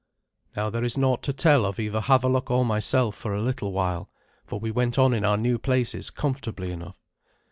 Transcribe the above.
Now there is naught to tell of either Havelok or myself for a little while, for we went on in our new places comfortably enough.